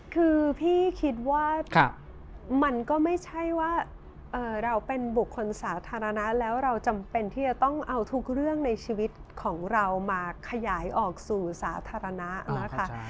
คือพี่คิดว่ามันก็ไม่ใช่ว่าเราเป็นบุคคลสาธารณะแล้วเราจำเป็นที่จะต้องเอาทุกเรื่องในชีวิตของเรามาขยายออกสู่สาธารณะนะคะ